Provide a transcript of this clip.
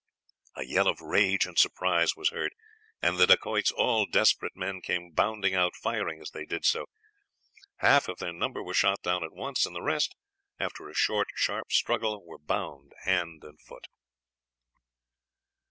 "A yell of rage and surprise was heard, and the Dacoits, all desperate men, came bounding out, firing as they did so. Half of their number were shot down at once and the rest, after a short, sharp struggle, were bound hand and foot.